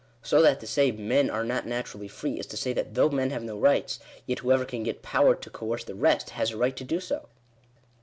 So that to say " men are not naturally free," is to say that though men have no rights, yet whoever can get power to coerce the rest has a right to do so